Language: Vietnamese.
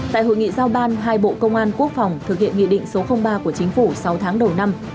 tại hội nghị giao ban hai bộ công an quốc phòng thực hiện nghị định số ba của chính phủ sáu tháng đầu năm